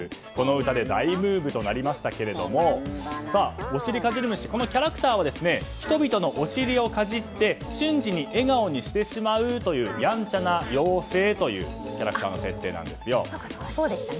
この歌で大ブームとなりましたがおしりかじり虫このキャラクターは人々のお尻をかじって瞬時に笑顔にしてしまうというやんちゃな妖精というキャラクターの設定なんですよ。